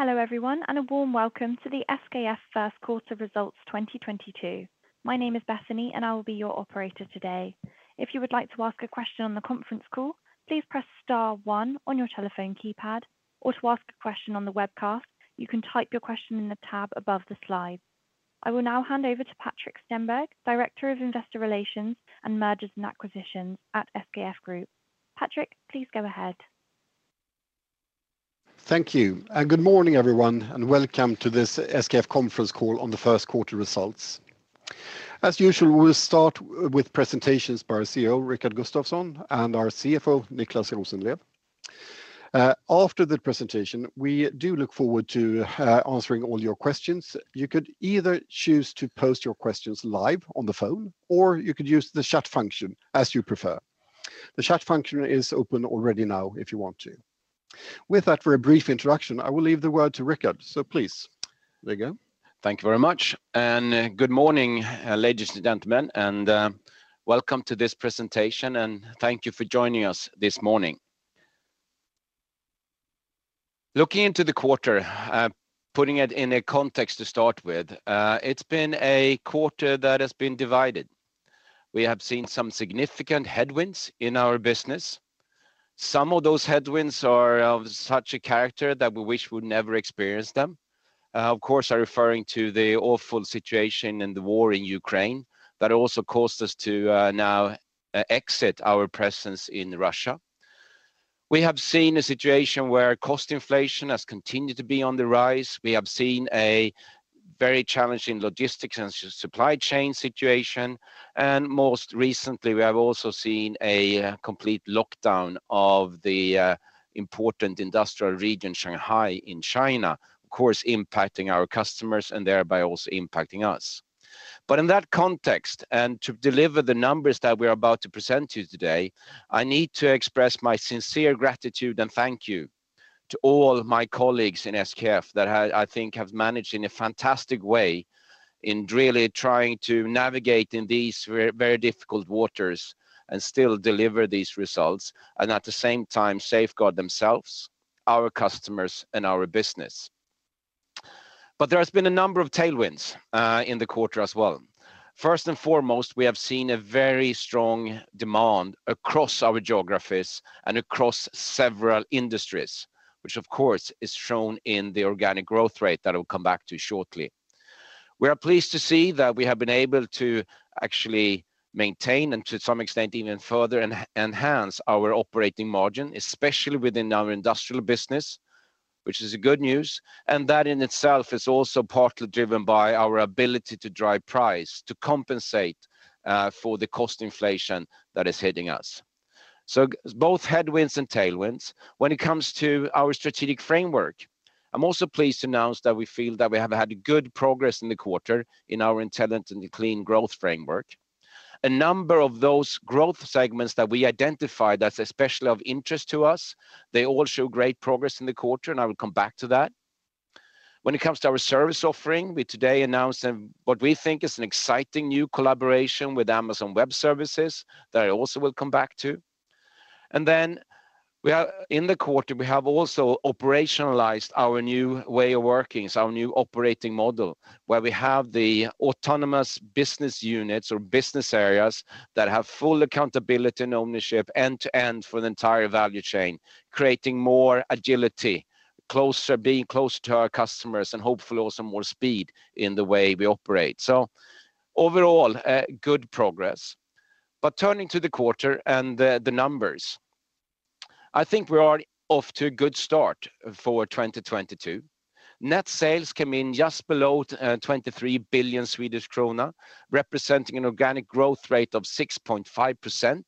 Hello everyone, and a warm welcome to the SKF first quarter results 2022. My name is Bethany, and I will be your operator today. If you would like to ask a question on the conference call, please press star one on your telephone keypad, or to ask a question on the webcast, you can type your question in the tab above the slide. I will now hand over to Patrik Stenberg, Director of Investor Relations and Mergers and Acquisitions at SKF Group. Patrik, please go ahead. Thank you. Good morning, everyone, and welcome to this SKF conference call on the first quarter results. As usual, we'll start with presentations by our CEO, Rickard Gustafson, and our CFO, Niclas Rosenlew. After the presentation, we do look forward to answering all your questions. You could either choose to post your questions live on the phone, or you could use the chat function as you prefer. The chat function is open already now if you want to. With that for a brief introduction, I will leave the word to Rickard. Please, there you go. Thank you very much. Good morning, ladies and gentlemen, welcome to this presentation, and thank you for joining us this morning. Looking into the quarter, putting it in a context to start with, it's been a quarter that has been divided. We have seen some significant headwinds in our business. Some of those headwinds are of such a character that we wish we never experienced them. Of course, I'm referring to the awful situation and the war in Ukraine that also caused us to now exit our presence in Russia. We have seen a situation where cost inflation has continued to be on the rise. We have seen a very challenging logistics and supply chain situation, and most recently, we have also seen a complete lockdown of the important industrial region, Shanghai in China, of course, impacting our customers and thereby also impacting us. In that context, and to deliver the numbers that we're about to present to you today, I need to express my sincere gratitude and thank you to all my colleagues in SKF that have, I think, managed in a fantastic way in really trying to navigate in these very, very difficult waters and still deliver these results and at the same time safeguard themselves, our customers, and our business. There has been a number of tailwinds in the quarter as well. First and foremost, we have seen a very strong demand across our geographies and across several industries, which of course is shown in the organic growth rate that I'll come back to shortly. We are pleased to see that we have been able to actually maintain, and to some extent, even further enhance our operating margin, especially within our industrial business, which is a good news. That in itself is also partly driven by our ability to drive price to compensate for the cost inflation that is hitting us. Both headwinds and tailwinds. When it comes to our strategic framework, I'm also pleased to announce that we feel that we have had good progress in the quarter in our intelligent and clean growth strategy. A number of those growth segments that we identified that's especially of interest to us, they all show great progress in the quarter, and I will come back to that. When it comes to our service offering, we today announced what we think is an exciting new collaboration with Amazon Web Services that I also will come back to. Then in the quarter, we have also operationalized our new way of working, so our new operating model, where we have the autonomous business units or business areas that have full accountability and ownership end to end for the entire value chain, creating more agility, being close to our customers and hopefully also more speed in the way we operate. Overall, a good progress. Turning to the quarter and the numbers. I think we are off to a good start for 2022. Net sales came in just below twenty-three billion Swedish krona, representing an organic growth rate of 6.5%.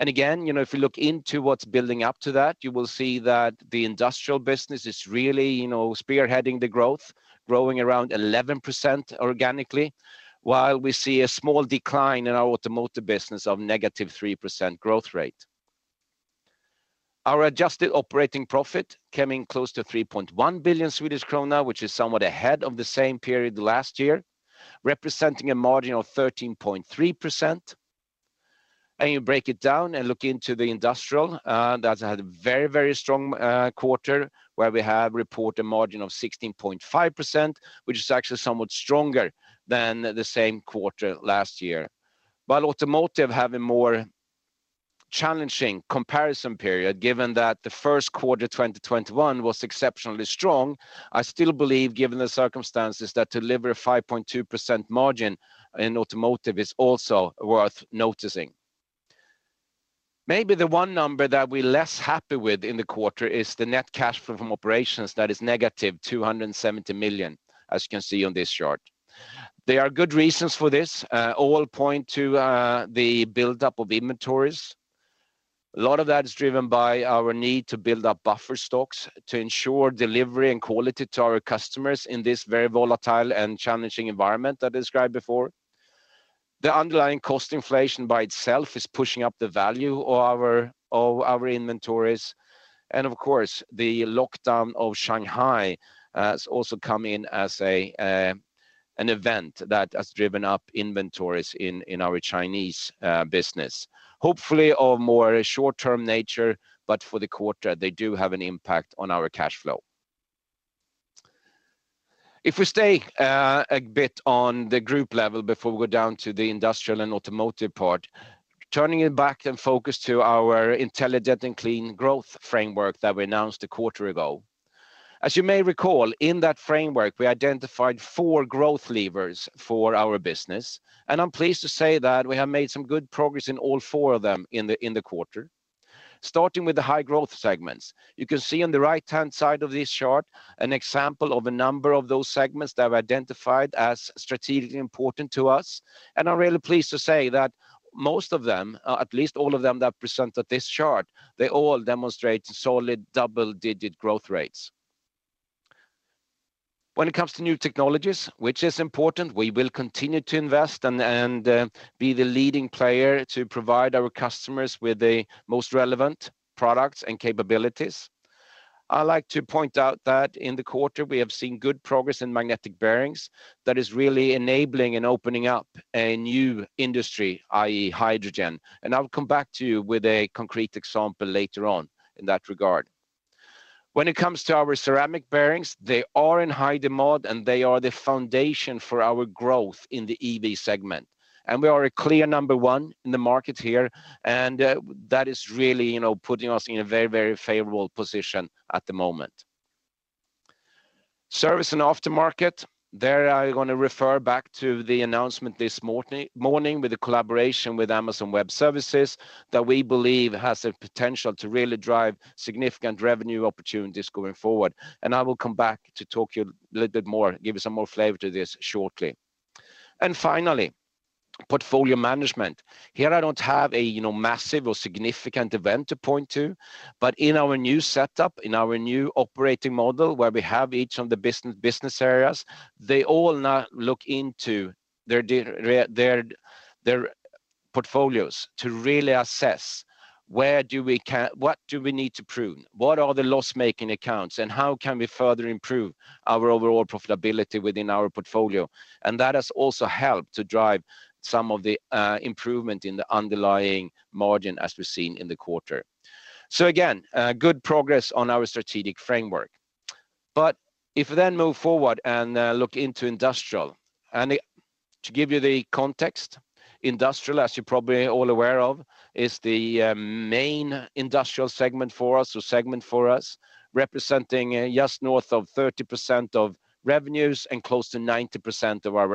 Again, you know, if you look into what's building up to that, you will see that the industrial business is really, you know, spearheading the growth, growing around 11% organically, while we see a small decline in our automotive business of -3% growth rate. Our adjusted operating profit came in close to 3.1 billion Swedish krona, which is somewhat ahead of the same period last year, representing a margin of 13.3%. You break it down and look into the Industrial, that had a very, very strong quarter where we have reported a margin of 16.5%, which is actually somewhat stronger than the same quarter last year. While Automotive have a more challenging comparison period, given that the first quarter 2021 was exceptionally strong, I still believe, given the circumstances, that to deliver 5.2% margin in Automotive is also worth noticing. Maybe the one number that we're less happy with in the quarter is the net cash flow from operations that is -270 million, as you can see on this chart. There are good reasons for this. All point to the build-up of inventories. A lot of that is driven by our need to build up buffer stocks to ensure delivery and quality to our customers in this very volatile and challenging environment I described before. The underlying cost inflation by itself is pushing up the value of our inventories. Of course, the lockdown of Shanghai has also come in as an event that has driven up inventories in our Chinese business. Hopefully of more short-term nature, but for the quarter, they do have an impact on our cash flow. If we stay a bit on the group level before we go down to the industrial and automotive part, turning it back and focus to our Intelligent and Clean Growth Framework that we announced a quarter ago. As you may recall, in that framework, we identified four growth levers for our business, and I'm pleased to say that we have made some good progress in all four of them in the quarter. Starting with the high growth segments. You can see on the right-hand side of this chart an example of a number of those segments that we identified as strategically important to us, and I'm really pleased to say that most of them, or at least all of them that are presented on this chart, they all demonstrate solid double-digit growth rates. When it comes to new technologies, which is important, we will continue to invest and be the leading player to provide our customers with the most relevant products and capabilities. I like to point out that in the quarter, we have seen good progress in magnetic bearings that is really enabling and opening up a new industry, i.e. hydrogen, and I'll come back to you with a concrete example later on in that regard. When it comes to our ceramic bearings, they are in high demand, and they are the foundation for our growth in the EV segment. We are a clear number one in the market here, and that is really, you know, putting us in a very, very favorable position at the moment. Service and aftermarket. There, I'm gonna refer back to the announcement this morning with the collaboration with Amazon Web Services that we believe has the potential to really drive significant revenue opportunities going forward. I will come back to talk to you a little bit more, give you some more flavor to this shortly. Finally, portfolio management. Here, I don't have, you know, massive or significant event to point to, but in our new setup, in our new operating model, where we have each of the business areas, they all now look into their portfolios to really assess what do we need to prune. What are the loss-making accounts, and how can we further improve our overall profitability within our portfolio? That has also helped to drive some of the improvement in the underlying margin as we're seeing in the quarter. Again, good progress on our strategic framework. If we then move forward and look into industrial. To give you the context, Industrial, as you're probably all aware of, is the main Industrial segment for us, representing just north of 30% of revenues and close to 90% of our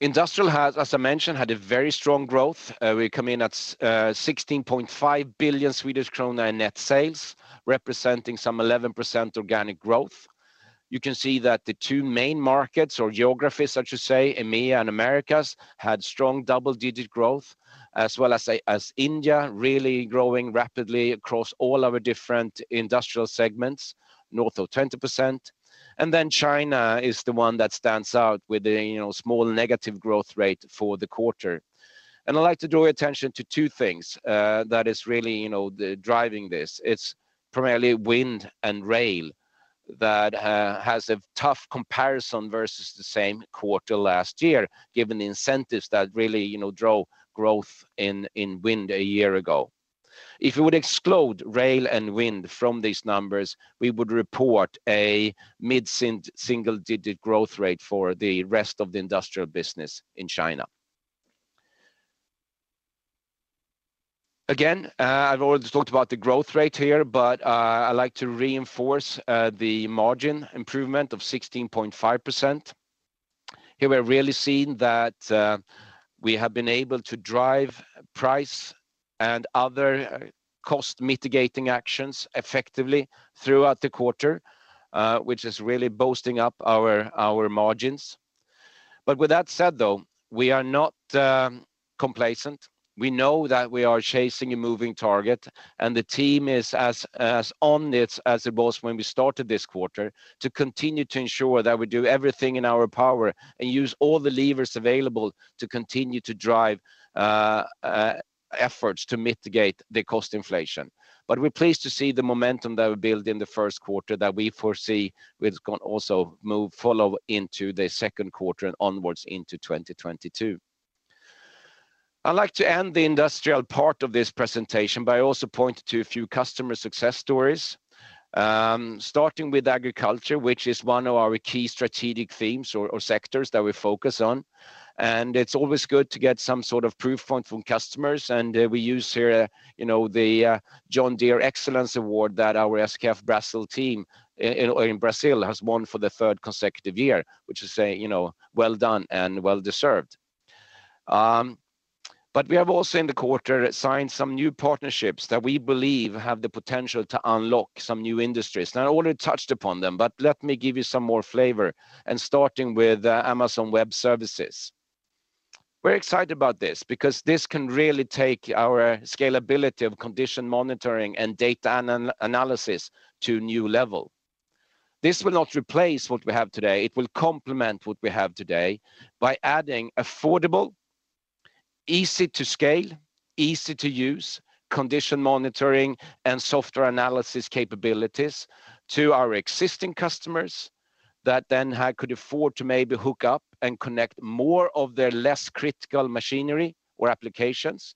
earnings. Industrial has, as I mentioned, had a very strong growth. We come in at 16.5 billion Swedish krona in net sales, representing some 11% organic growth. You can see that the two main markets or geographies, I should say, EMEA and Americas, had strong double-digit growth, as well as India really growing rapidly across all our different Industrial segments, north of 20%. Then China is the one that stands out with a small negative growth rate for the quarter. I'd like to draw attention to two things that is really the driving this. It's primarily wind and rail that has a tough comparison versus the same quarter last year, given the incentives that really, you know, drove growth in wind a year ago. If you would exclude rail and wind from these numbers, we would report a mid single digit growth rate for the rest of the industrial business in China. Again, I've already talked about the growth rate here, but I like to reinforce the margin improvement of 16.5%. Here, we're really seeing that we have been able to drive price and other cost mitigating actions effectively throughout the quarter, which is really boosting up our margins. With that said, though, we are not complacent. We know that we are chasing a moving target, and the team is as on it as it was when we started this quarter to continue to ensure that we do everything in our power and use all the levers available to continue to drive efforts to mitigate the cost inflation. We're pleased to see the momentum that we built in the first quarter that we foresee is going to also follow into the second quarter and onwards into 2022. I'd like to end the industrial part of this presentation by also pointing to a few customer success stories, starting with agriculture, which is one of our key strategic themes or sectors that we focus on. It's always good to get some sort of proof point from customers. We use here, you know, the John Deere Excellence Award that our SKF Brazil team in Brazil has won for the third consecutive year, which is, you know, well done and well-deserved. We have also in the quarter signed some new partnerships that we believe have the potential to unlock some new industries. Now, I already touched upon them, but let me give you some more flavor starting with Amazon Web Services. We're excited about this because this can really take our scalability of condition monitoring and data analysis to a new level. This will not replace what we have today. It will complement what we have today by adding affordable, easy to scale, easy to use condition monitoring and software analysis capabilities to our existing customers. That then could afford to maybe hook up and connect more of their less critical machinery or applications.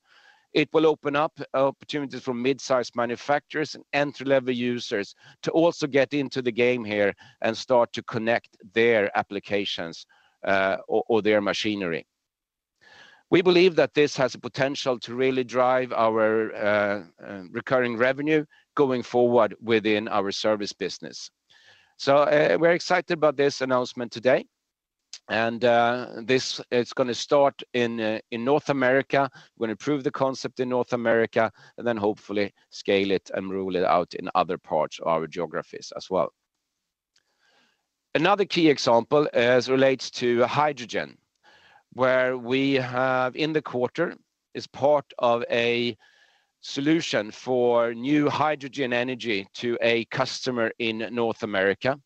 It will open up opportunities for mid-sized manufacturers and entry-level users to also get into the game here and start to connect their applications, or their machinery. We believe that this has the potential to really drive our recurring revenue going forward within our service business. We're excited about this announcement today, and this is gonna start in North America. We're gonna prove the concept in North America, and then hopefully scale it and roll it out in other parts of our geographies as well. Another key example, as relates to hydrogen, where we have in the quarter is part of a solution for new hydrogen energy to a customer in North America,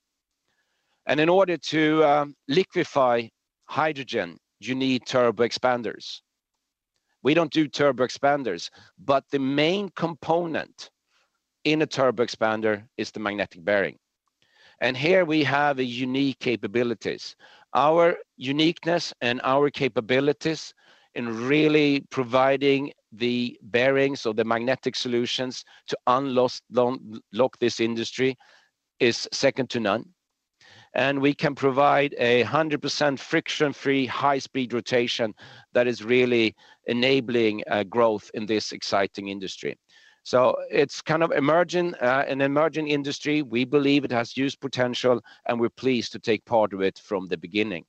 and in order to liquefy hydrogen, you need turbo expanders. We don't do turbo expanders, but the main component in a turbo expander is the magnetic bearing, and here we have a unique capabilities. Our uniqueness and our capabilities in really providing the bearings or the magnetic solutions to unlock this industry is second to none, and we can provide 100% friction-free, high-speed rotation that is really enabling growth in this exciting industry. It's kind of emerging, an emerging industry. We believe it has huge potential, and we're pleased to take part of it from the beginning.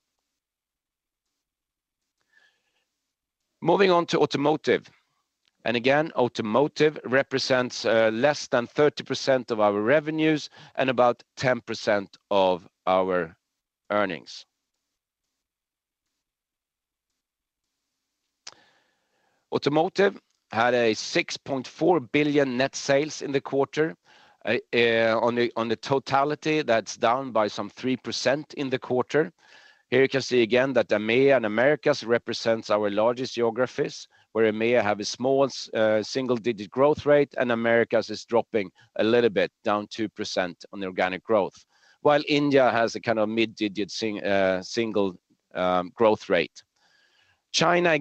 Moving on to Automotive. Automotive represents less than 30% of our revenues and about 10% of our earnings. Automotive had 6.4 billion net sales in the quarter. On the totality, that's down by some 3% in the quarter. Here you can see again that EMEA and Americas represent our largest geographies, where EMEA has a small single-digit growth rate and Americas is dropping a little bit, down 2% on the organic growth, while India has a kind of mid-single-digit growth rate. China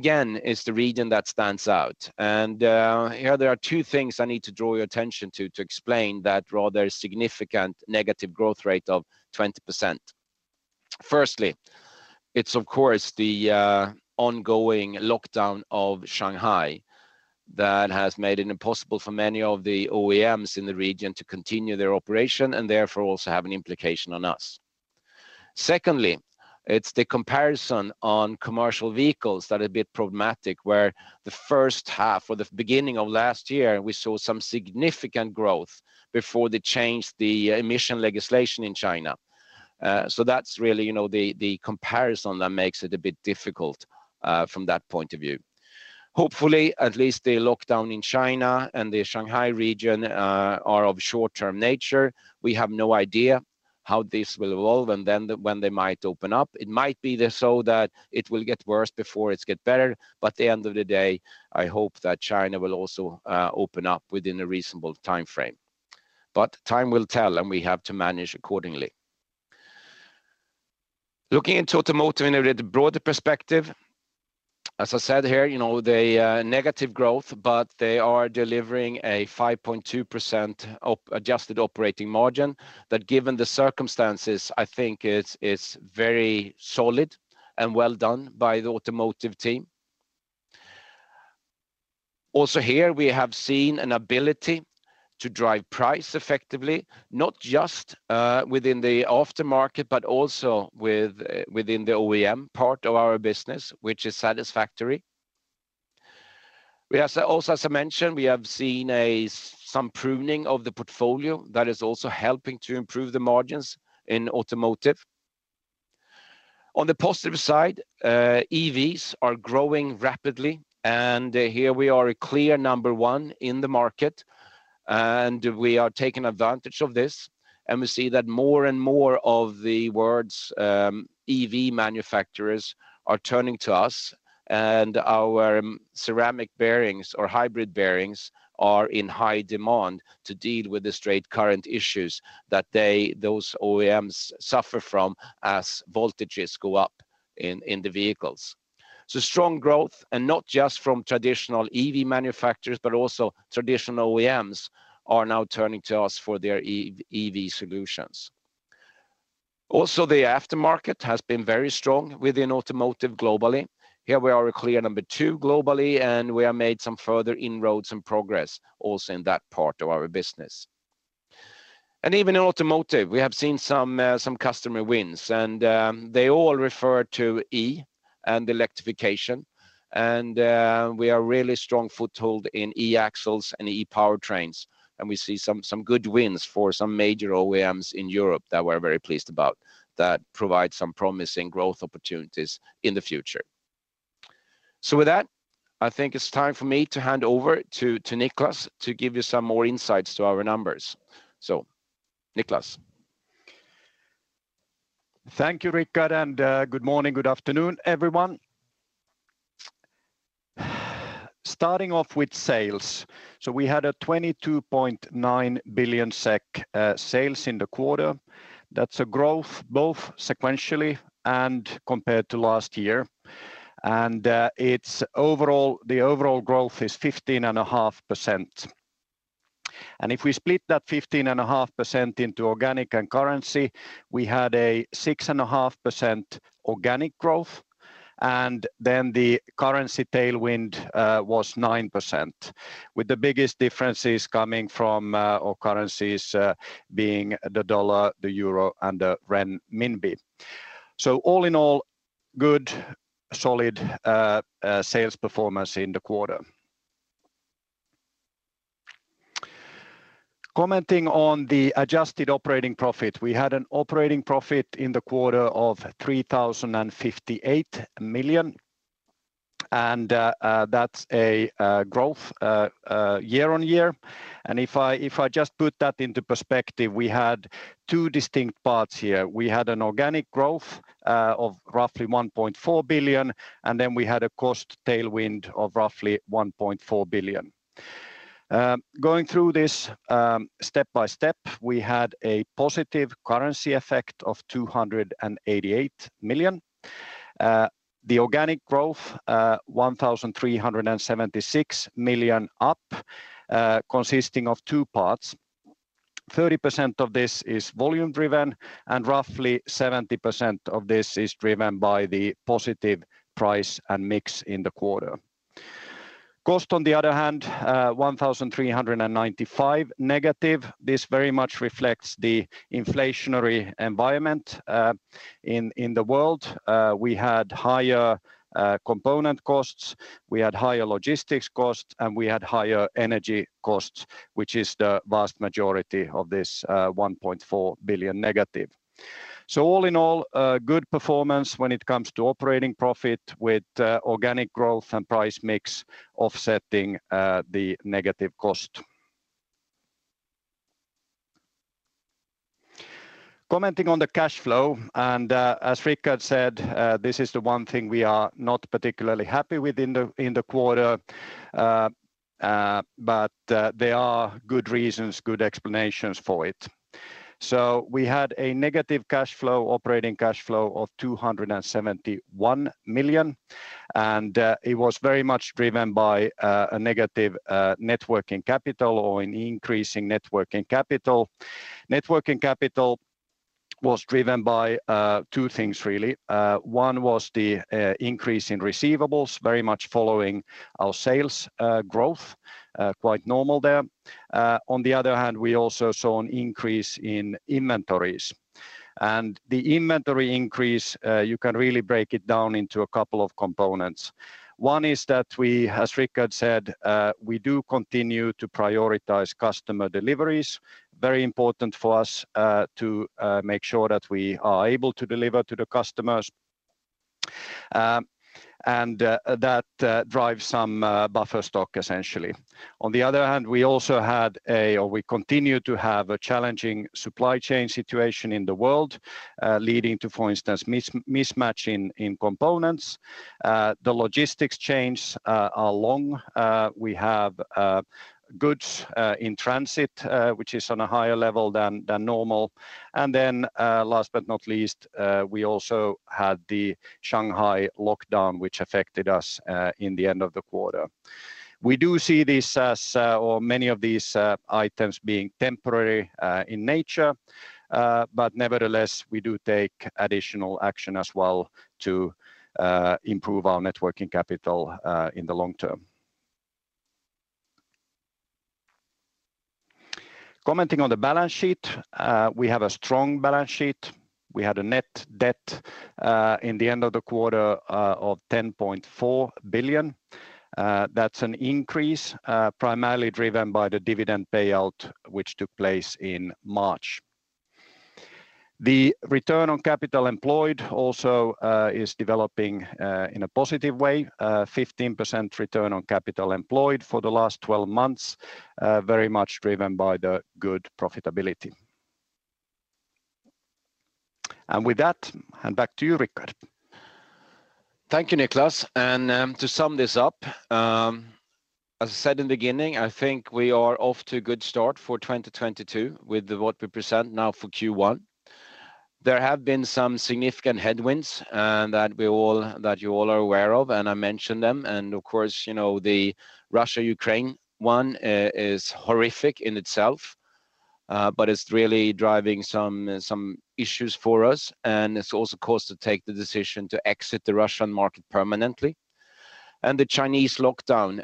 is the region that stands out. Here there are two things I need to draw your attention to explain that rather significant negative growth rate of 20%. Firstly, it's of course the ongoing lockdown of Shanghai that has made it impossible for many of the OEMs in the region to continue their operation and therefore also have an implication on us. Secondly, it's the comparison on commercial vehicles that are a bit problematic, where the first half or the beginning of last year, we saw some significant growth before they changed the emission legislation in China. So that's really, you know, the comparison that makes it a bit difficult from that point of view. Hopefully, at least the lockdown in China and the Shanghai region are of short-term nature. We have no idea how this will evolve and then when they might open up. It might be so that it will get worse before it gets better, but at the end of the day, I hope that China will also open up within a reasonable timeframe. Time will tell, and we have to manage accordingly. Looking into Automotive in a bit broader perspective, as I said here, the negative growth, but they are delivering a 5.2% adjusted operating margin that, given the circumstances, I think it is very solid and well done by the Automotive team. Also here, we have seen an ability to drive price effectively, not just within the aftermarket, but also within the OEM part of our business, which is satisfactory. We also, as I mentioned, we have seen some pruning of the portfolio that is also helping to improve the margins in Automotive. On the positive side, EVs are growing rapidly, and here we are a clear number one in the market, and we are taking advantage of this, and we see that more and more of the world's EV manufacturers are turning to us, and our ceramic bearings or hybrid bearings are in high demand to deal with the stray current issues that they, those OEMs suffer from as voltages go up in the vehicles. Strong growth and not just from traditional EV manufacturers, but also traditional OEMs are now turning to us for their EV solutions. Also, the aftermarket has been very strong within Automotive globally. Here we are a clear number two globally, and we have made some further inroads and progress also in that part of our business. Even in Automotive, we have seen some customer wins, and they all refer to EV and electrification, and we have a really strong foothold in e-axles and e-powertrains, and we see some good wins for some major OEMs in Europe that we're very pleased about that provide some promising growth opportunities in the future. With that, I think it's time for me to hand over to Niclas to give you some more insights to our numbers. Niclas. Thank you, Rickard, good morning, good afternoon, everyone. Starting off with sales. We had 22.9 billion SEK sales in the quarter. That's a growth both sequentially and compared to last year. Its overall growth is 15.5%. If we split that 15.5% into organic and currency, we had 6.5% organic growth, and the currency tailwind was 9%, with the biggest differences coming from our currencies being the dollar, the euro and the renminbi. All in all, good, solid sales performance in the quarter. Commenting on the adjusted operating profit. We had an operating profit in the quarter of 3,058 million, and that's a growth year on year. If I just put that into perspective, we had two distinct parts here. We had an organic growth of roughly 1.4 billion, and then we had a cost tailwind of roughly 1.4 billion. Going through this step by step, we had a positive currency effect of 288 million. The organic growth 1,376 million up, consisting of two parts. 30% of this is volume driven, and roughly 70% of this is driven by the positive price and mix in the quarter. Cost on the other hand 1,395 negative. This very much reflects the inflationary environment in the world. We had higher component costs, we had higher logistics costs, and we had higher energy costs, which is the vast majority of this 1.4 billion negative. All in all, a good performance when it comes to operating profit with organic growth and price mix offsetting the negative cost. Commenting on the cash flow, as Rickard said, this is the one thing we are not particularly happy with in the quarter. There are good reasons, good explanations for it. We had a negative operating cash flow of 271 million, and it was very much driven by a negative net working capital or an increasing net working capital. Net working capital was driven by two things really. One was the increase in receivables, very much following our sales growth, quite normal there. On the other hand, we also saw an increase in inventories. The inventory increase you can really break it down into a couple of components. One is that we, as Rickard said, we do continue to prioritize customer deliveries. Very important for us to make sure that we are able to deliver to the customers. That drives some buffer stock essentially. On the other hand, we also had a, or we continue to have a challenging supply chain situation in the world, leading to, for instance, mismatch in components. The logistics chains are long. We have goods in transit, which is on a higher level than normal. Last but not least, we also had the Shanghai lockdown, which affected us in the end of the quarter. We do see this as, or many of these, items being temporary in nature, but nevertheless, we do take additional action as well to improve our net working capital in the long term. Commenting on the balance sheet. We have a strong balance sheet. We had a net debt in the end of the quarter of 10.4 billion. That's an increase, primarily driven by the dividend payout which took place in March. The return on capital employed also is developing in a positive way. 15% return on capital employed for the last 12 months, very much driven by the good profitability. With that, back to you, Rickard. Thank you, Niklas. To sum this up, as I said in the beginning, I think we are off to a good start for 2022 with what we present now for Q1. There have been some significant headwinds that you all are aware of, and I mentioned them. Of course, you know, the Russia-Ukraine one is horrific in itself, but it's really driving some issues for us. It's also caused to take the decision to exit the Russian market permanently. The Chinese lockdown,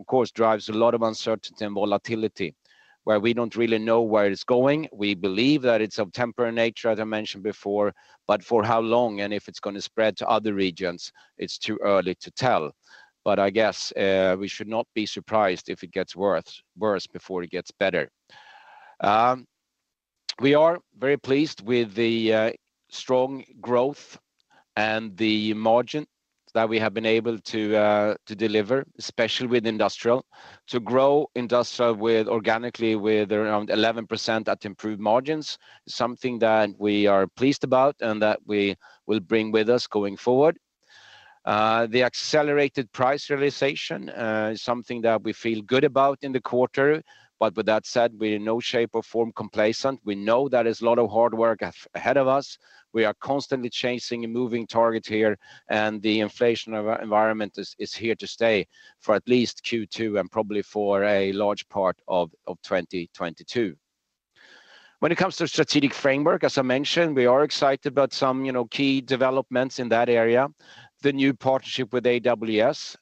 of course, drives a lot of uncertainty and volatility, where we don't really know where it's going. We believe that it's of temporary nature, as I mentioned before, but for how long and if it's gonna spread to other regions, it's too early to tell. I guess we should not be surprised if it gets worse before it gets better. We are very pleased with the strong growth and the margin that we have been able to deliver, especially with Industrial. To grow Industrial organically with around 11% at improved margins is something that we are pleased about and that we will bring with us going forward. The accelerated price realization is something that we feel good about in the quarter, but with that said, we're in no shape or form complacent. We know that there's a lot of hard work ahead of us. We are constantly chasing a moving target here, and the inflation environment is here to stay for at least Q2 and probably for a large part of 2022. When it comes to strategic framework, as I mentioned, we are excited about some, you know, key developments in that area. The new partnership with AWS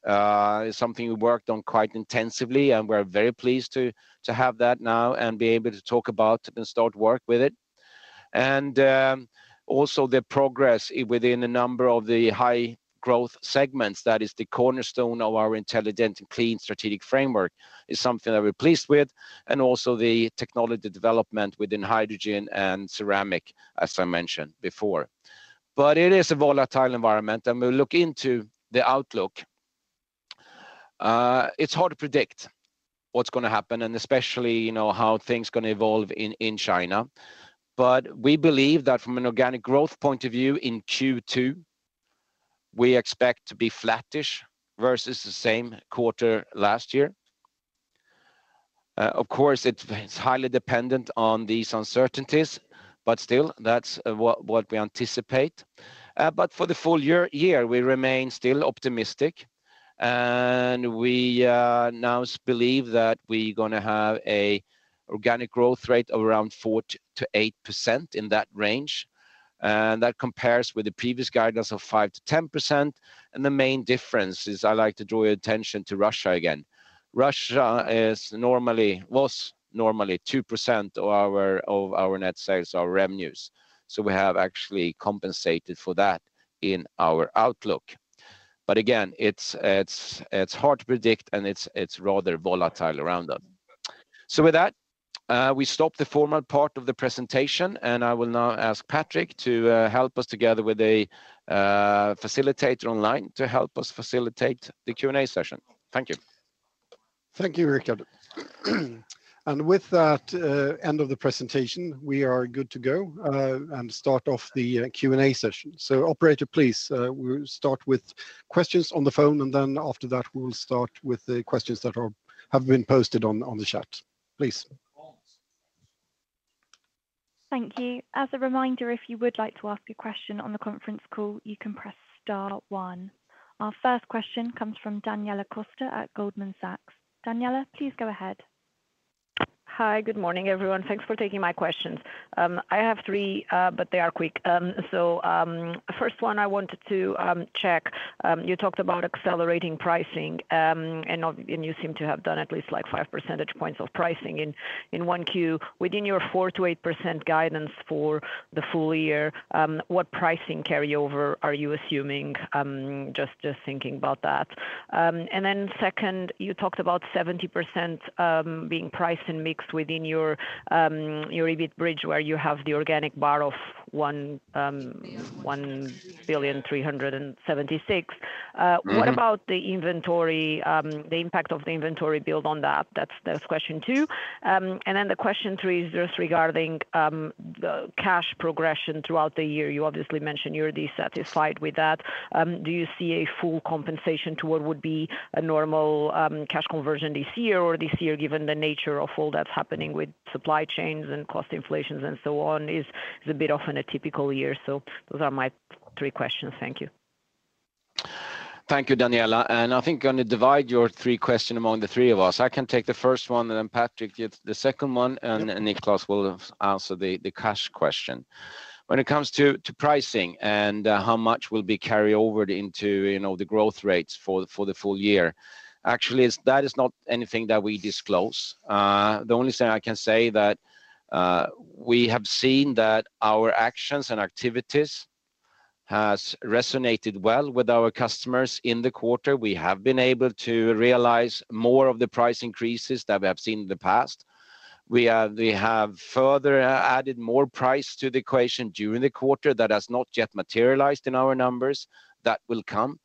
is something we worked on quite intensively, and we're very pleased to have that now and be able to talk about and start work with it. Also the progress within a number of the high growth segments, that is the cornerstone of our Intelligent and clean growth strategy, is something that we're pleased with, and also the technology development within hydrogen and ceramic, as I mentioned before. It is a volatile environment, and we look into the outlook. It's hard to predict what's gonna happen, and especially, you know, how things gonna evolve in China. We believe that from an organic growth point of view in Q2, we expect to be flattish versus the same quarter last year. Of course, it's highly dependent on these uncertainties, but still that's what we anticipate. For the full year, we remain still optimistic, and we now believe that we're gonna have an organic growth rate of around 4%-8% in that range. That compares with the previous guidance of 5%-10%, and the main difference is I like to draw your attention to Russia again. Russia was normally 2% of our net sales, our revenues. We have actually compensated for that in our outlook. Again, it's hard to predict, and it's rather volatile around them. With that, we stop the formal part of the presentation, and I will now ask Patrik to help us together with a facilitator online to help us facilitate the Q&A session. Thank you. Thank you, Rickard. With that, end of the presentation, we are good to go, and start off the Q&A session. Operator, please, we'll start with questions on the phone, and then after that, we'll start with the questions that have been posted on the chat. Please. Thank you. As a reminder, if you would like to ask a question on the conference call, you can press star one. Our first question comes from Daniela Costa at Goldman Sachs. Daniela, please go ahead. Hi, good morning, everyone. Thanks for taking my questions. I have three, but they are quick. First one I wanted to check, you talked about accelerating pricing, and you seem to have done at least like five percentage points of pricing in 1Q. Within your 4%-8% guidance for the full year, what pricing carryover are you assuming? Just thinking about that. Second, you talked about 70% being priced and mixed within your EBIT bridge, where you have the organic bar of 1.376 billion. Mm-hmm. What about the inventory, the impact of the inventory build on that? That's question two. The question three is just regarding the cash progression throughout the year. You obviously mentioned you're dissatisfied with that. Do you see a full compensation to what would be a normal cash conversion this year, or this year, given the nature of all that's happening with supply chains and cost inflations and so on, is a bit of an atypical year. Those are my three questions. Thank you. Thank you, Daniela. I think I'm gonna divide your three question among the three of us. I can take the first one, and then Patrik gives the second one, and Niclas will answer the cash question. When it comes to pricing and how much will be carryover into, you know, the growth rates for the full year, actually is that is not anything that we disclose. The only thing I can say that we have seen that our actions and activities has resonated well with our customers in the quarter. We have been able to realize more of the price increases that we have seen in the past. We have further added more price to the equation during the quarter that has not yet materialized in our numbers. That will come.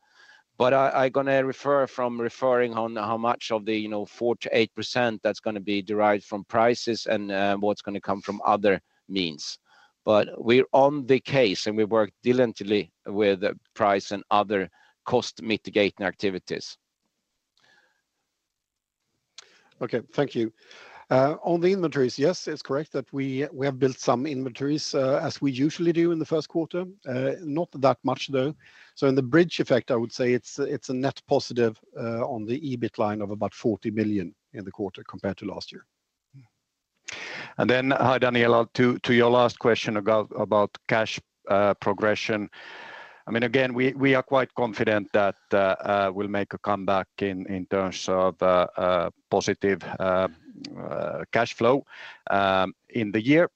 I gonna refrain from referring to how much of the, you know, 4%-8% that's gonna be derived from prices and, what's gonna come from other means. We're on the case, and we work diligently with price and other cost mitigating activities. Okay. Thank you. On the inventories, yes, it's correct that we have built some inventories as we usually do in the first quarter. Not that much, though. In the bridge effect, I would say it's a net positive on the EBIT line of about 40 million in the quarter compared to last year. Hi, Daniela, to your last question about cash progression. I mean, again, we are quite confident that we'll make a comeback in terms of positive cash flow in the year.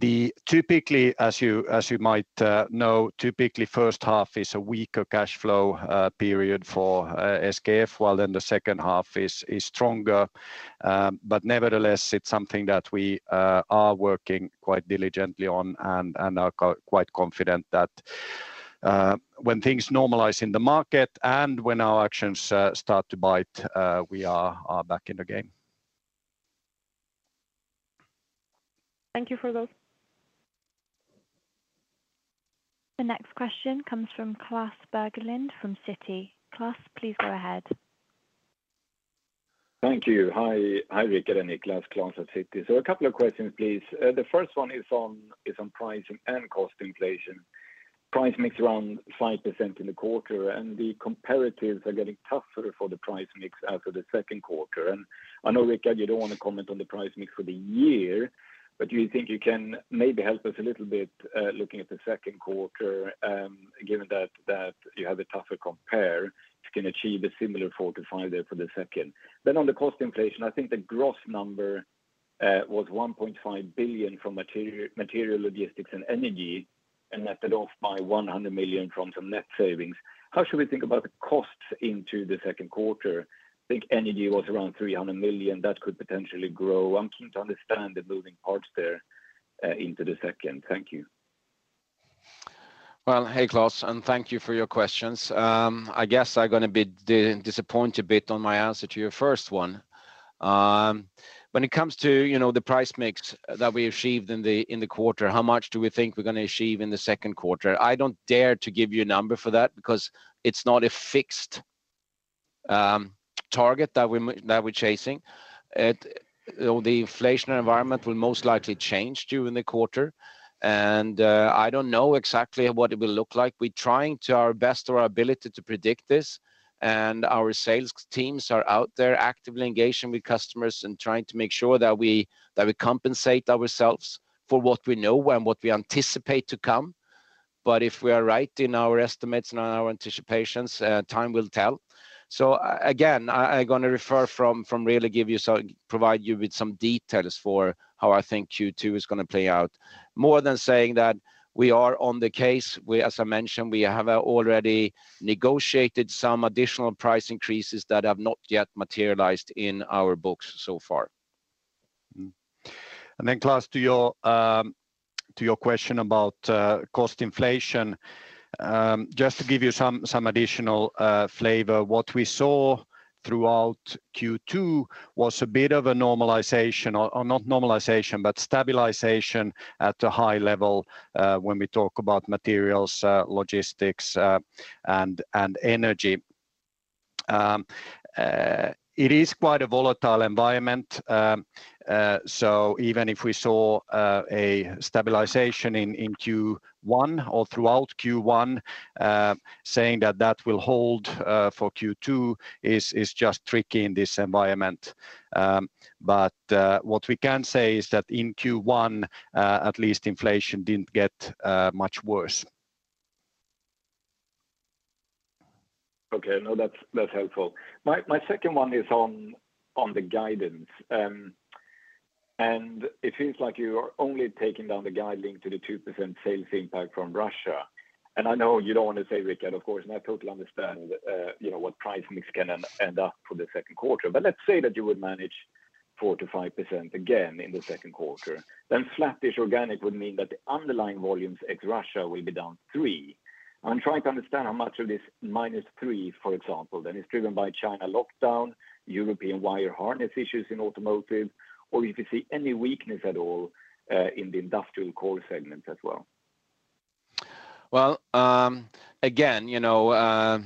Typically, as you might know, typically first half is a weaker cash flow period for SKF, while then the second half is stronger. But nevertheless, it's something that we are working quite diligently on and are quite confident that when things normalize in the market and when our actions start to bite, we are back in the game. Thank you for those. The next question comes from Klas Bergelind from Citi. Klas, please go ahead. Thank you. Hi. Hi, Rickard and Niklas. Klas at Citi. A couple of questions, please. The first one is on pricing and cost inflation. Price mix around 5% in the quarter, and the comparatives are getting tougher for the price mix after the second quarter. I know, Rickard, you don't want to comment on the price mix for the year, but do you think you can maybe help us a little bit, looking at the second quarter, given that you have a tougher compare, if you can achieve a similar 4%-5% there for the second. On the cost inflation, I think the gross number was 1.5 billion from material logistics and energy, and netted off by 100 million from some net savings. How should we think about the costs into the second quarter? I think energy was around 300 million. That could potentially grow. I'm keen to understand the moving parts there, into the second. Thank you. Well, hey, Klas, and thank you for your questions. I guess I'm gonna be disappoint a bit on my answer to your first one. When it comes to, you know, the price mix that we achieved in the quarter, how much do we think we're gonna achieve in the second quarter? I don't dare to give you a number for that because it's not a fixed target that we're chasing. It. The inflation environment will most likely change during the quarter, and I don't know exactly what it will look like. We're trying to the best of our ability to predict this, and our sales teams are out there actively engaging with customers and trying to make sure that we compensate ourselves for what we know and what we anticipate to come. If we are right in our estimates and our anticipations, time will tell. Again, I'm gonna provide you with some details for how I think Q2 is gonna play out. More than saying that we are on the case, as I mentioned, we have already negotiated some additional price increases that have not yet materialized in our books so far. Then Klas, to your question about cost inflation, just to give you some additional flavor, what we saw throughout Q2 was a bit of a normalization or not normalization, but stabilization at a high level when we talk about materials, logistics, and energy. It is quite a volatile environment. Even if we saw a stabilization in Q1 or throughout Q1, saying that will hold for Q2 is just tricky in this environment. What we can say is that in Q1, at least inflation didn't get much worse. Okay. No, that's helpful. My second one is on the guidance. It seems like you are only taking down the guidance to the 2% sales impact from Russia. I know you don't want to say, Rickard, of course, and I totally understand, you know, what price mix can end up for the second quarter. Let's say that you would manage 4%-5% again in the second quarter, then flattish organic would mean that the underlying volumes ex Russia will be down 3%. I'm trying to understand how much of this -3%, for example, then is driven by China lockdown, European wire harness issues in automotive, or if you see any weakness at all in the industrial core segment as well. Well, again, you know,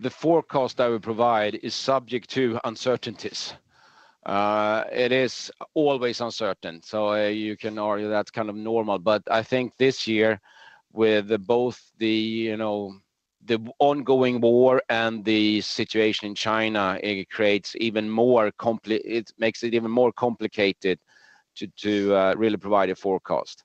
the forecast I will provide is subject to uncertainties. It is always uncertain, so you can argue that's kind of normal. I think this year with both the, you know, the ongoing war and the situation in China, it makes it even more complicated to really provide a forecast.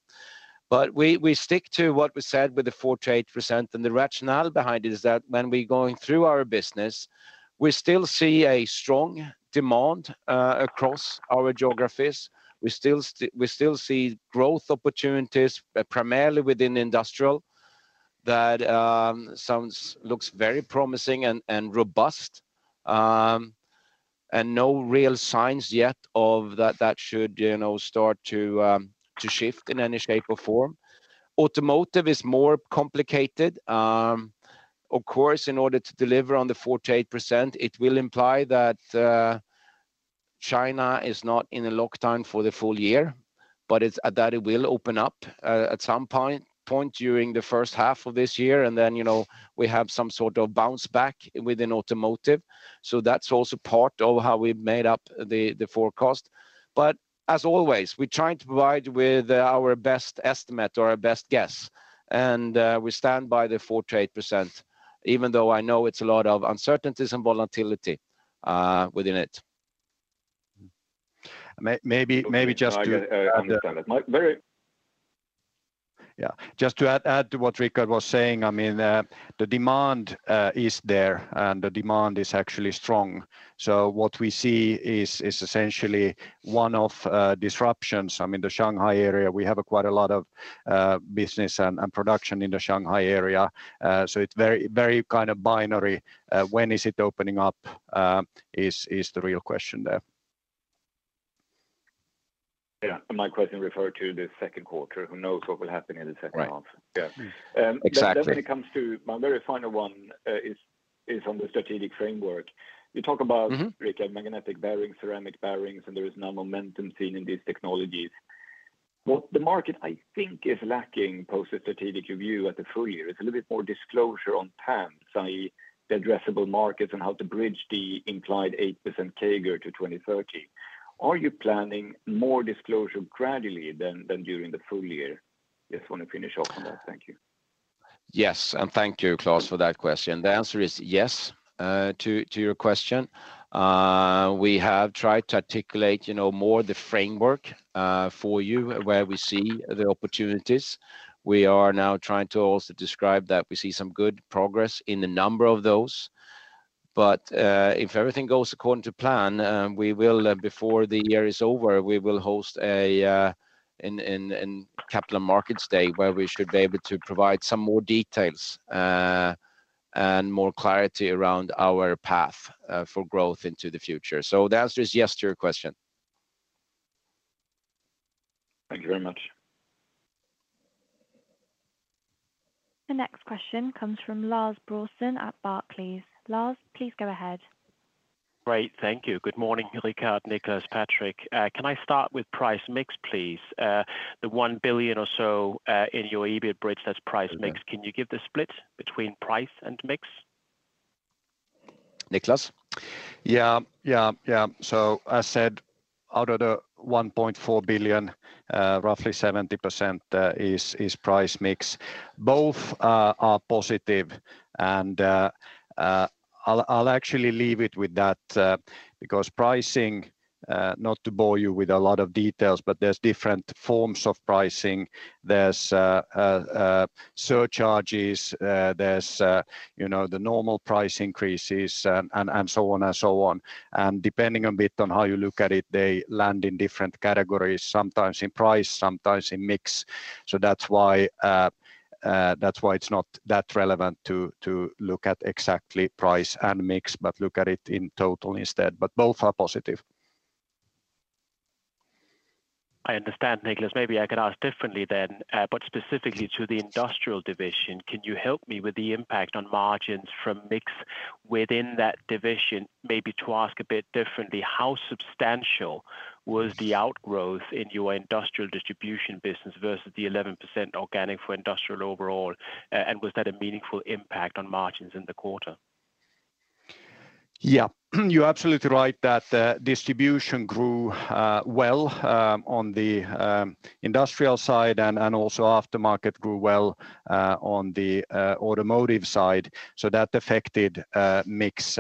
We stick to what we said with the 4%-8%, and the rationale behind it is that when we're going through our business, we still see a strong demand across our geographies. We still see growth opportunities primarily within industrial that sounds, looks very promising and robust. No real signs yet of that should, you know, start to shift in any shape or form. Automotive is more complicated. Of course, in order to deliver on the 4%-8%, it will imply that China is not in a lockdown for the full year, but it's that it will open up at some point during the first half of this year. You know, we have some sort of bounce back within automotive. That's also part of how we made up the forecast. As always, we're trying to provide with our best estimate or our best guess, and we stand by the 4%-8%, even though I know it's a lot of uncertainties and volatility within it. Maybe just to. No, I get it. I understand that. Yeah. Just to add to what Rickard was saying, I mean, the demand is there, and the demand is actually strong. What we see is essentially one-off disruptions. I mean, the Shanghai area, we have quite a lot of business and production in the Shanghai area. It's very kind of binary, when is it opening up, is the real question there. Yeah, my question referred to the second quarter. Who knows what will happen in the second half? Right. Yeah. Exactly. That definitely comes to my very final one is on the strategic framework. You talk about. Mm-hmm Rickard had magnetic bearings, ceramic bearings, and there is no momentum seen in these technologies. What the market, I think, is lacking post a strategic review at the full year is a little bit more disclosure over time, say, the addressable markets and how to bridge the intended 8% CAGR to 2030. Are you planning more disclosure gradually than during the full year? Just wanna finish off on that. Thank you. Yes, thank you, Klas, for that question. The answer is yes to your question. We have tried to articulate, you know, more the framework for you where we see the opportunities. We are now trying to also describe that we see some good progress in a number of those. If everything goes according to plan, we will, before the year is over, host a Capital Markets Day where we should be able to provide some more details and more clarity around our path for growth into the future. The answer is yes to your question. Thank you very much. The next question comes from Lars Brorson at Barclays. Lars, please go ahead. Great. Thank you. Good morning, Rickard, Niclas, Patrik. Can I start with price mix, please? The 1 billion or so in your EBIT bridge that's price mix. Can you give the split between price and mix? Niklas? As said, out of the 1.4 billion, roughly 70% is price mix. Both are positive. I'll actually leave it with that, because pricing, not to bore you with a lot of details, but there's different forms of pricing. There's surcharges, there's you know, the normal price increases, and so on and so on. Depending a bit on how you look at it, they land in different categories, sometimes in price, sometimes in mix. That's why it's not that relevant to look at exactly price and mix, but look at it in total instead. Both are positive. I understand, Niclas. Maybe I can ask differently then. Specifically to the industrial division, can you help me with the impact on margins from mix within that division? Maybe to ask a bit differently, how substantial was the outgrowth in your industrial distribution business versus the 11% organic for industrial overall? Was that a meaningful impact on margins in the quarter? Yeah. You're absolutely right that the distribution grew well on the industrial side and also aftermarket grew well on the automotive side. That affected mix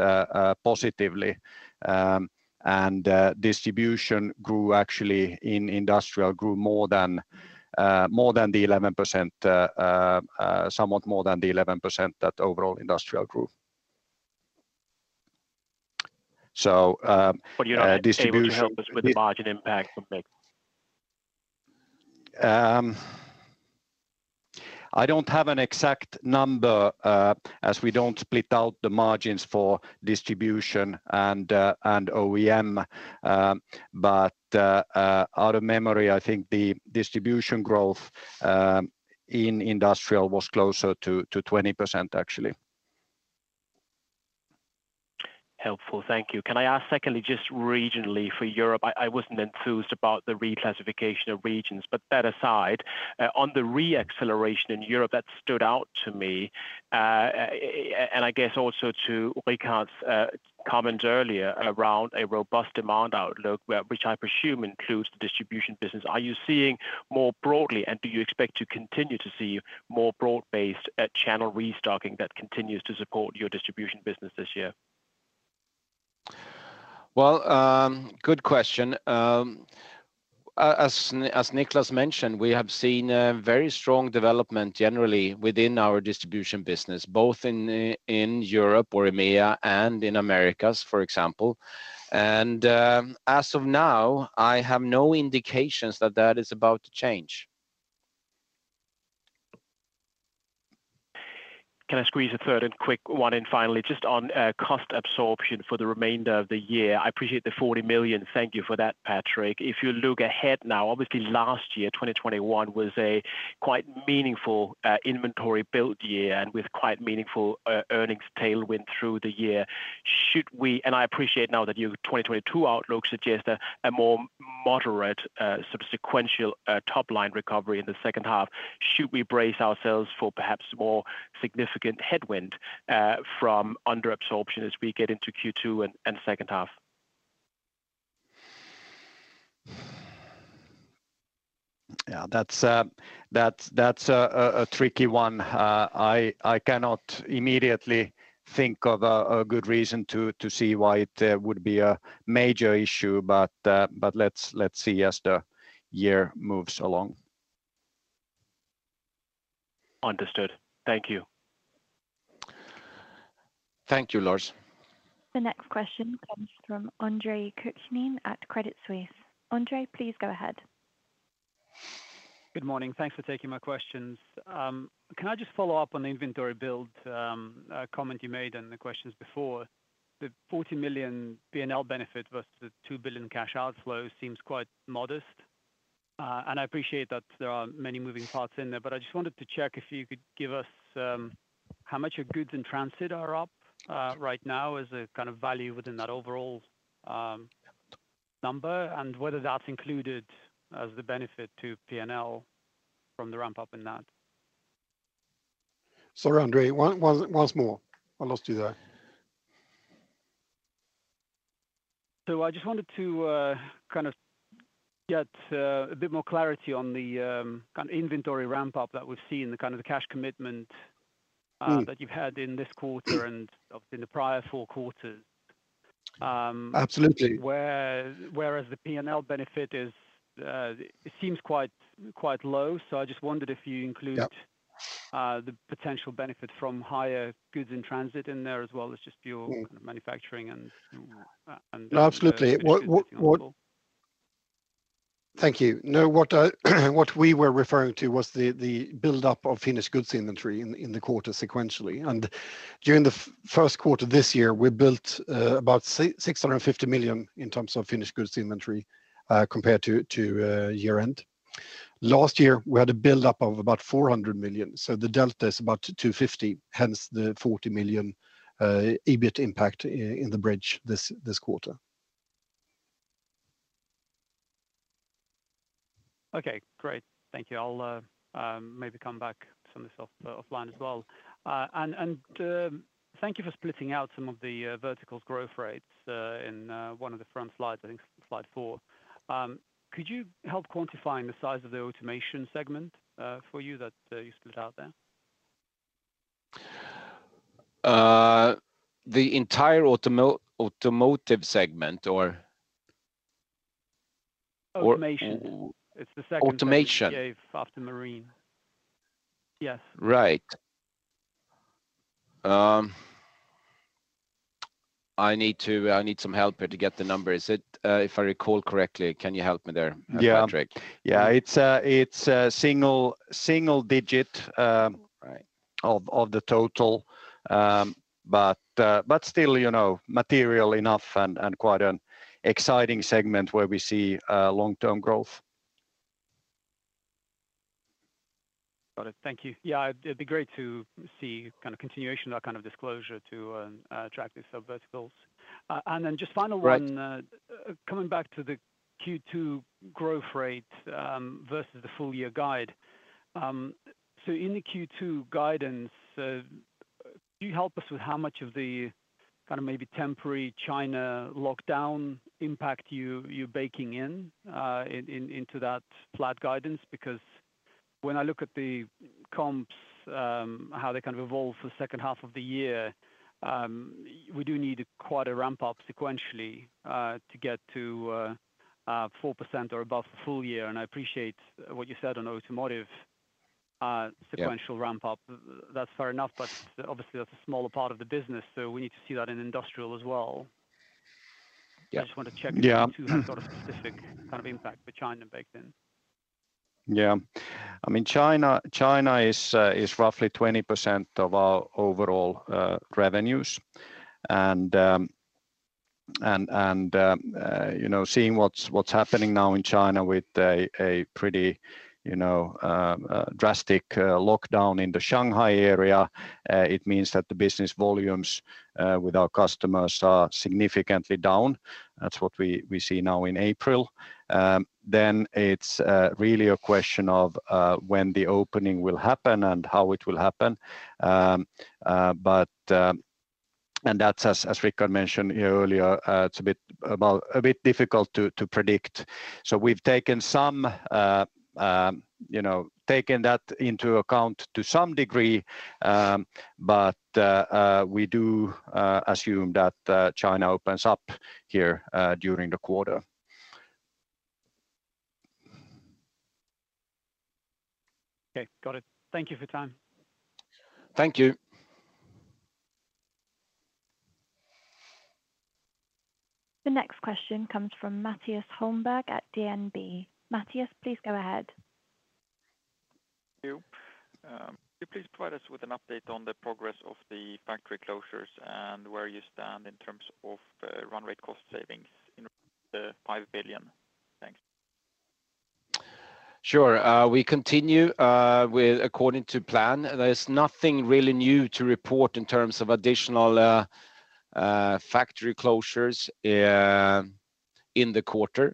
positively. Distribution actually grew in industrial more than 11%, somewhat more than the 11% that overall industrial grew. You're not able to help us with the margin impact from mix? I don't have an exact number, as we don't split out the margins for distribution and OEM. Out of memory, I think the distribution growth in industrial was closer to 20%, actually. Helpful. Thank you. Can I ask secondly, just regionally for Europe, I wasn't enthused about the reclassification of regions, but that aside, on the re-acceleration in Europe that stood out to me, and I guess also to Rickard's comment earlier around a robust demand outlook, which I presume includes the distribution business. Are you seeing more broadly, and do you expect to continue to see more broad-based channel restocking that continues to support your distribution business this year? Well, good question. As Niclas mentioned, we have seen a very strong development generally within our distribution business, both in Europe or EMEA and in Americas, for example. As of now, I have no indications that is about to change. Can I squeeze a third and quick one in finally? Just on cost absorption for the remainder of the year. I appreciate the 40 million. Thank you for that, Patrick. If you look ahead now, obviously last year, 2021, was a quite meaningful inventory build year and with quite meaningful earnings tailwind through the year. I appreciate now that your 2022 outlook suggests a more moderate sort of sequential top line recovery in the second half. Should we brace ourselves for perhaps more significant headwind from under absorption as we get into Q2 and second half? Yeah. That's a tricky one. I cannot immediately think of a good reason to see why it would be a major issue, but let's see as the year moves along. Understood. Thank you. Thank you, Lars. The next question comes from Andre Kukhnin at Credit Suisse. Andre, please go ahead. Good morning. Thanks for taking my questions. Can I just follow up on the inventory build comment you made in the questions before. The 40 million P&L benefit versus the 2 billion cash outflow seems quite modest. I appreciate that there are many moving parts in there, but I just wanted to check if you could give us how much your goods in transit are up right now as a kind of value within that overall number, and whether that's included as the benefit to P&L from the ramp-up in that. Sorry, Andre. Once more. I lost you there. I just wanted to kind of get a bit more clarity on the kind of inventory ramp-up that we've seen, the kind of cash commitment Mm. That you've had in this quarter and obviously in the prior four quarters. Absolutely. Whereas the P&L benefit is, it seems quite low. I just wondered if you include. Yeah. The potential benefit from higher goods in transit in there as well as just your. Mm. Manufacturing and. No, absolutely. Thank you. No, what we were referring to was the buildup of finished goods inventory in the quarter sequentially. During the first quarter this year, we built about 650 million in terms of finished goods inventory, compared to year-end. Last year, we had a buildup of about 400 million, so the delta is about 250 million, hence the 40 million EBIT impact in the bridge this quarter. Okay, great. Thank you. I'll maybe come back some of this offline as well. Thank you for splitting out some of the verticals growth rates in one of the front slides, I think slide four. Could you help quantifying the size of the automation segment for you that you split out there? The entire automotive segment or. Automation. Or. It's the second. Automation You gave after marine. Yes. Right. I need some help here to get the numbers. Is it, if I recall correctly, can you help me there? Yeah Patrik? Yeah. It's single digit. Right. Of the total. Still, you know, material enough and quite an exciting segment where we see long-term growth. Got it. Thank you. Yeah, it'd be great to see kind of continuation of that kind of disclosure to track the sub-verticals. Just final one. Right Coming back to the Q2 growth rate versus the full-year guide. In the Q2 guidance, could you help us with how much of the kind of maybe temporary China lockdown impact you're baking into that flat guidance? Because when I look at the comps, how they kind of evolve for the second half of the year, we do need quite a ramp-up sequentially to get to 4% or above the full year. I appreciate what you said on automotive. Yeah Sequential ramp-up. That's fair enough, but obviously that's a smaller part of the business, so we need to see that in industrial as well. Yeah. Just wanted to check. Yeah. Specific kind of impact for China baked in. Yeah. I mean, China is roughly 20% of our overall revenues. You know, seeing what's happening now in China with a pretty drastic lockdown in the Shanghai area, it means that the business volumes with our customers are significantly down. That's what we see now in April. It's really a question of when the opening will happen and how it will happen. That's as Rickard mentioned here earlier, it's a bit difficult to predict. We've taken that into account to some degree, but we do assume that China opens up here during the quarter. Okay. Got it. Thank you for your time. Thank you. The next question comes from Mattias Holmberg at DNB. Mattias, please go ahead. Thank you. Could you please provide us with an update on the progress of the factory closures and where you stand in terms of run rate cost savings in the 5 billion? Thanks. Sure. We continue according to plan. There's nothing really new to report in terms of additional factory closures in the quarter.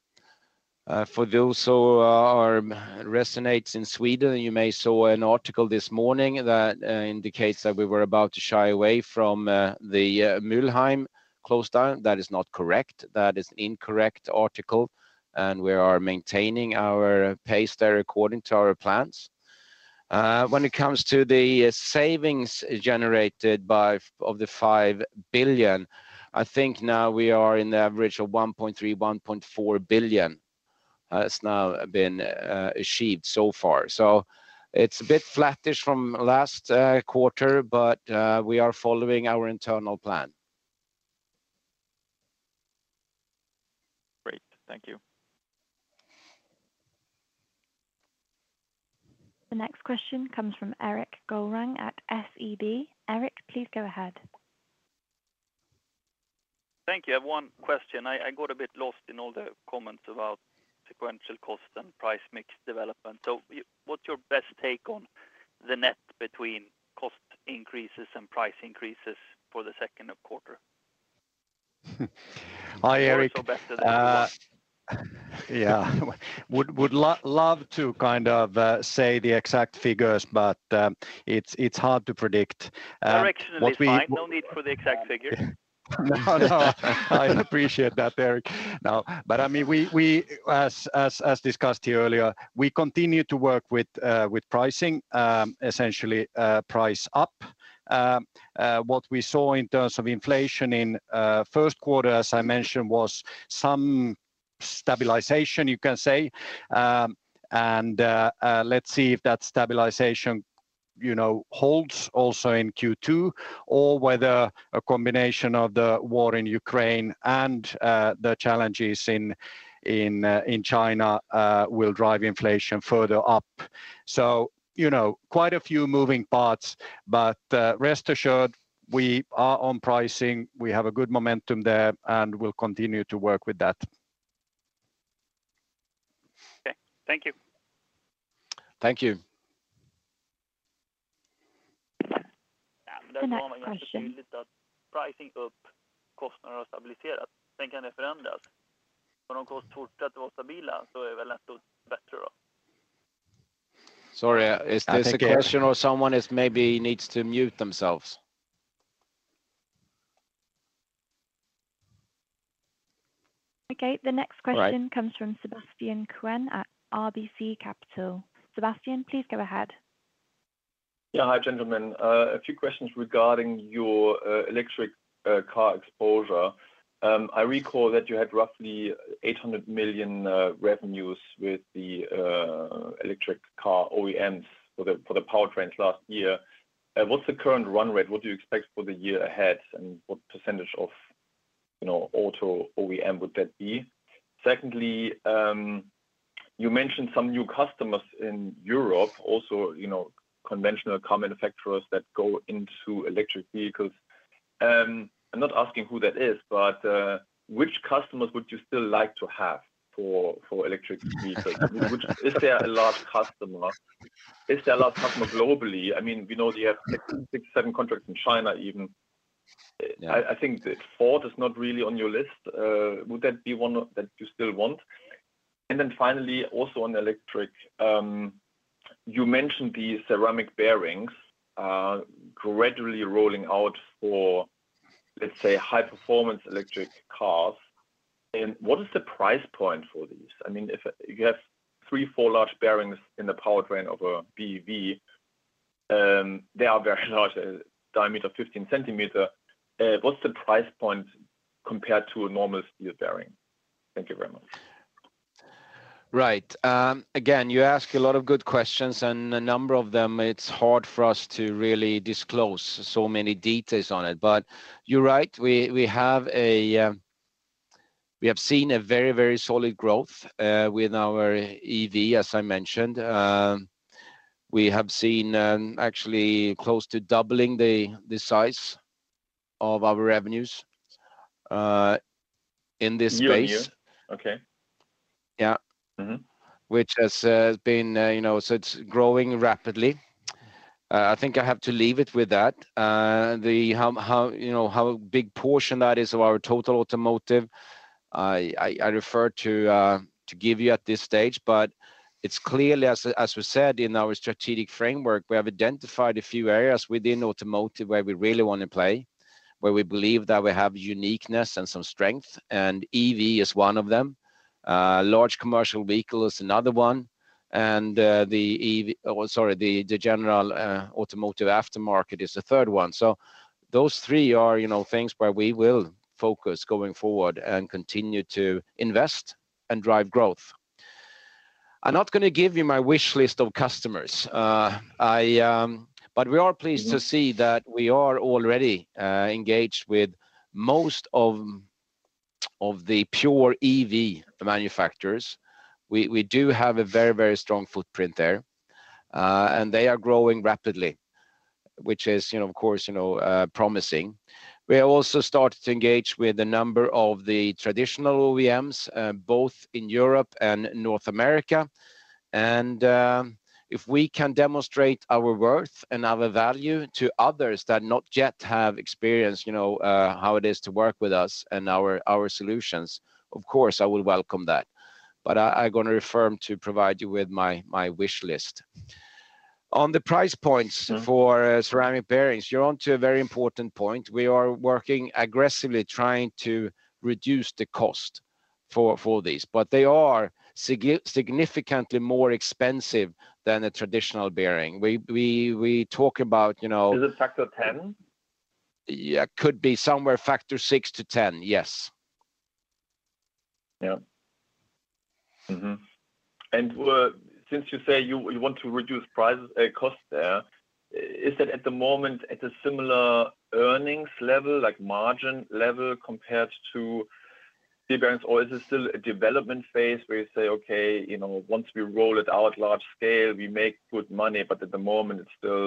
For those who are residents in Sweden, you may have seen an article this morning that indicates that we were about to shy away from closing down Mülheim. That is not correct. That is an incorrect article, and we are maintaining our pace there according to our plans. When it comes to the savings of the 5 billion, I think now we are at an average of 1.3 billion-1.4 billion has now been achieved so far. It's a bit flattish from last quarter, but we are following our internal plan. Great. Thank you. The next question comes from Erik Golrang at SEB. Eric, please go ahead. Thank you. I have one question. I got a bit lost in all the comments about sequential cost and price mix development. What's your best take on the net between cost increases and price increases for the second quarter? Hi, Erik. Best as you can. Yeah. Would love to kind of say the exact figures, but it's hard to predict. What we- Directionally is fine. No need for the exact figures. No, no. I appreciate that, Erik. No, but I mean, as discussed here earlier, we continue to work with pricing, essentially price up. What we saw in terms of inflation in first quarter, as I mentioned, was some stabilization, you can say. Let's see if that stabilization, you know, holds also in Q2 or whether a combination of the war in Ukraine and the challenges in China will drive inflation further up. You know, quite a few moving parts, but rest assured we are on pricing. We have a good momentum there, and we'll continue to work with that. Okay. Thank you. Thank you. The next question. Sorry, is this a question or someone is maybe needs to mute themselves? Okay. The next question. All right. comes from Sebastian Kuenne at RBC Capital. Sebastian, please go ahead. Yeah. Hi, gentlemen. A few questions regarding your electric car exposure. I recall that you had roughly 800 million revenues with the electric car OEMs for the powertrains last year. What's the current run rate? What do you expect for the year ahead, and what percentage of, you know, auto OEM would that be? Secondly, you mentioned some new customers in Europe also, you know, conventional car manufacturers that go into electric vehicles. I'm not asking who that is, but which customers would you still like to have for electric vehicles? Is there a large customer? Is there a large customer globally? I mean, we know you have six or seven contracts in China even. Yeah. I think that Ford is not really on your list. Would that be one that you still want? Finally, also on electric, you mentioned the ceramic bearings gradually rolling out for, let's say, high performance electric cars. What is the price point for these? I mean, if you have three, four large bearings in the powertrain of a BEV, they are very large, diameter 15 cm. What's the price point compared to a normal steel bearing? Thank you very much. Right. Again, you ask a lot of good questions, and a number of them, it's hard for us to really disclose so many details on it. You're right, we have seen a very, very solid growth with our EV, as I mentioned. We have seen actually close to doubling the size of our revenues in this space. Year-on-year? Okay. Yeah. Mm-hmm. Which has been, you know. It's growing rapidly. I think I have to leave it with that. How, you know, how big portion that is of our total automotive, I refer to give you at this stage. It's clearly, as we said, in our strategic framework, we have identified a few areas within automotive where we really wanna play, where we believe that we have uniqueness and some strength, and EV is one of them. Large commercial vehicle is another one, and the general automotive aftermarket is the third one. Those three are, you know, things where we will focus going forward and continue to invest and drive growth. I'm not gonna give you my wish list of customers. We are pleased to see that we are already engaged with most of the pure EV manufacturers. We do have a very strong footprint there, and they are growing rapidly, which is, you know, of course, you know, promising. We have also started to engage with a number of the traditional OEMs, both in Europe and North America. If we can demonstrate our worth and our value to others that not yet have experienced, you know, how it is to work with us and our solutions, of course, I will welcome that. I'm gonna refrain to provide you with my wish list. On the price points for ceramic bearings, you're on to a very important point. We are working aggressively trying to reduce the cost for these, but they are significantly more expensive than a traditional bearing. We talk about, you know- Is it factor 10? Yeah. Could be somewhere factor six to 10. Yes. Yeah. Since you say you want to reduce prices, costs there, is it at the moment at a similar earnings level, like margin level compared to deep bearings? Or is this still a development phase where you say, "Okay, you know, once we roll it out large scale, we make good money, but at the moment it's still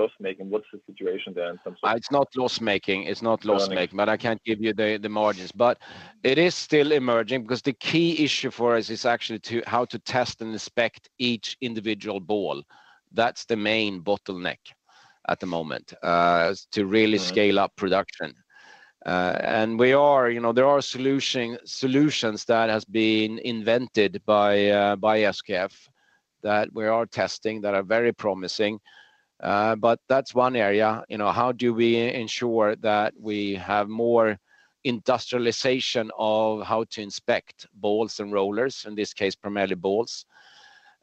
loss making." What's the situation there in some. It's not loss-making. Okay. I can't give you the margins. It is still emerging, because the key issue for us is actually to how to test and inspect each individual ball. That's the main bottleneck at the moment to really scale. Right up production. We are, you know. There are solutions that has been invented by SKF that we are testing that are very promising. That's one area. You know, how do we ensure that we have more industrialization of how to inspect balls and rollers, in this case, primarily balls.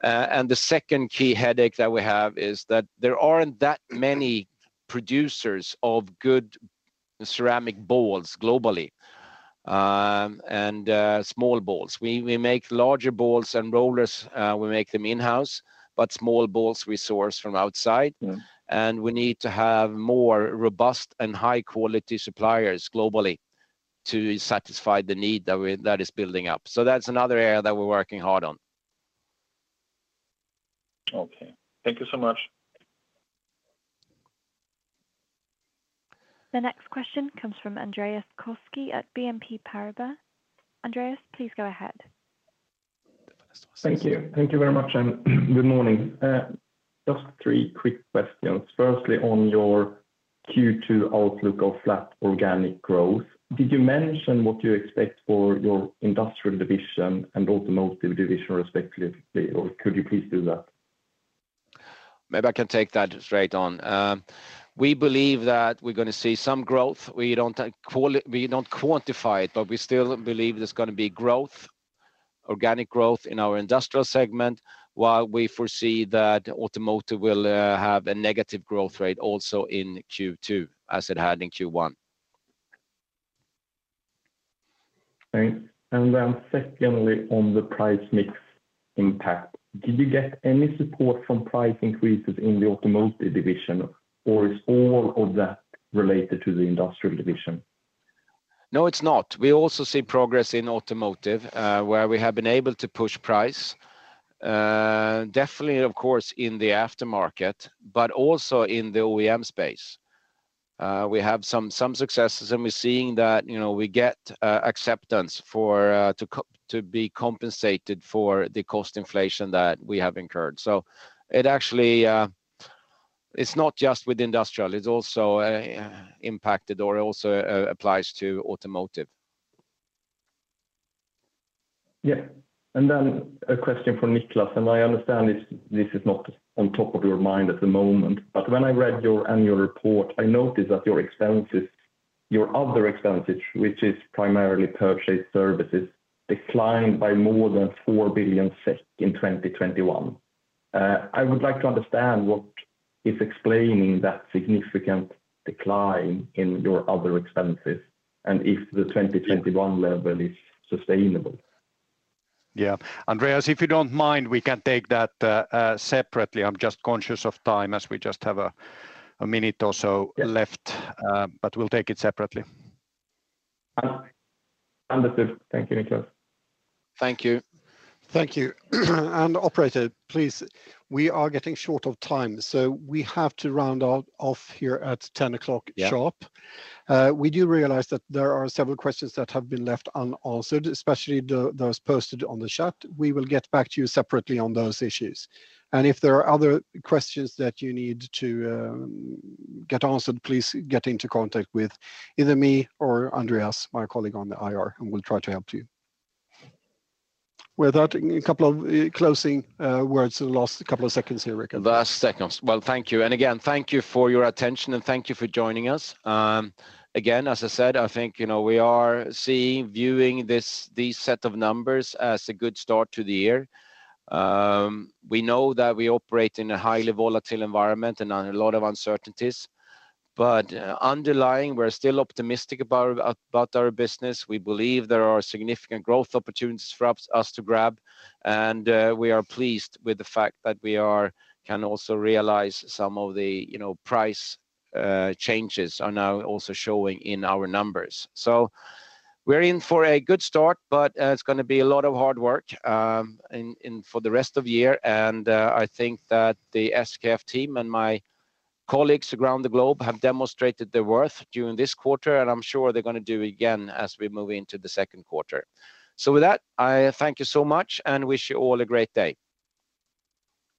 The second key headache that we have is that there aren't that many producers of good ceramic balls globally, and small balls. We make larger balls and rollers, we make them in-house. Small balls we source from outside. Mm-hmm. We need to have more robust and high quality suppliers globally to satisfy the need that is building up. That's another area that we're working hard on. Okay. Thank you so much. The next question comes from Andreas Koski at BNP Paribas. Andreas, please go ahead. Andreas, go ahead. Thank you. Thank you very much, and good morning. Just three quick questions. Firstly, on your Q2 outlook of flat organic growth, did you mention what you expect for your industrial division and automotive division respectively, or could you please do that? Maybe I can take that straight on. We believe that we're gonna see some growth. We don't quantify it, but we still believe there's gonna be growth, organic growth in our industrial segment, while we foresee that automotive will have a negative growth rate also in Q2 as it had in Q1. Thanks. Secondly, on the price mix impact, did you get any support from price increases in the automotive division, or is all of that related to the industrial division? No, it's not. We also see progress in automotive, where we have been able to push price. Definitely, of course, in the aftermarket, but also in the OEM space. We have some successes and we're seeing that, you know, we get acceptance for to be compensated for the cost inflation that we have incurred. It actually, it's not just with industrial, it's also impacted or also applies to automotive. Yeah. A question from Niclas Rosenlew. I understand this is not on top of your mind at the moment. When I read your annual report, I noticed that your expenses, your other expenses, which is primarily purchased services, declined by more than 4 billion SEK in 2021. I would like to understand what is explaining that significant decline in your other expenses, and if the 2021 level is sustainable. Yeah. Andreas, if you don't mind, we can take that separately. I'm just conscious of time as we just have a minute or so left. Yeah. We'll take it separately. Understood. Thank you, Niclas. Thank you. Thank you. Operator, please, we are getting short of time, so we have to round off here at 10:00 A.M sharp. Yeah. We do realize that there are several questions that have been left unanswered, especially those posted on the chat. We will get back to you separately on those issues. If there are other questions that you need to get answered, please get into contact with either me or Andreas, my colleague on the IR, and we'll try to help you. With that, a couple of closing words for the last couple of seconds here, Rick. Well, thank you. Again, thank you for your attention, and thank you for joining us. Again, as I said, I think you know we are viewing this set of numbers as a good start to the year. We know that we operate in a highly volatile environment and on a lot of uncertainties, but underlying we're still optimistic about our business. We believe there are significant growth opportunities for us to grab, and we are pleased with the fact that we can also realize some of the you know price changes are now also showing in our numbers. We're in for a good start, but it's gonna be a lot of hard work in store for the rest of the year. I think that the SKF team and my colleagues around the globe have demonstrated their worth during this quarter, and I'm sure they're gonna do again as we move into the second quarter. With that, I thank you so much and wish you all a great day.